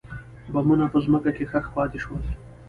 بمونه په ځمکه کې ښخ پاتې شول.